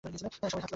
সবাই হাত লাগান!